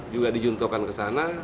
juga dijunturkan ke sana